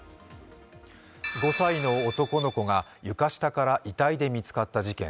５歳の男の子が床下から遺体で見つかった事件。